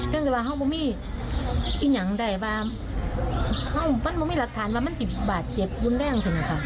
เพราะว่าห้องมันมีอีกอย่างใดบ้างห้องมันมันมีหลักฐานว่ามันจิบบาทเจ็บยุ่นแรงสินะค่ะ